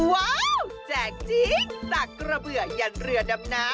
ว้าวแจกจริงจากกระเบื่อยันเรือดำน้ำ